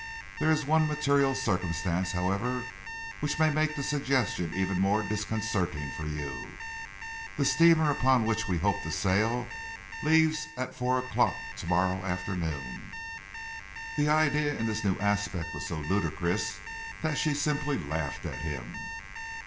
There is one material circumstance, however, which may make the suggestion even more disconcerting for you. The steamer upon which we hope to sail leaves at four o'clock to morrow afternoon." The idea in this new aspect was so ludicrous that she simply laughed at him.